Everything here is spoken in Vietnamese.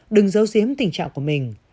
đừng giấu giếm tình trạng của mình